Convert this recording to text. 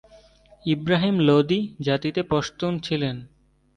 ইবরাহিম লোদি জাতিতে পশতুন ছিলেন।